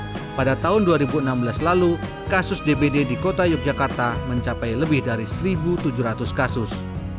selama beberapa tahun lalu kasus dbd di kota yogyakarta mencapai lebih dari satu tujuh ratus kasus